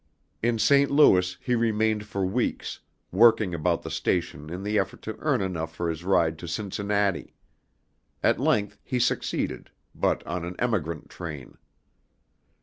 In St. Louis he remained for weeks, working about the station in the effort to earn enough for his ride to Cincinnati. At length he succeeded, but on an emigrant train.